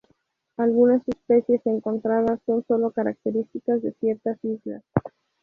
Algunas especies encontradas son solo características de ciertas islas.